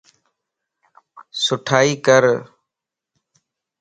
سٺائي ڪر